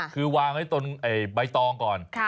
คือวางไว้ตรงใบตองก่อน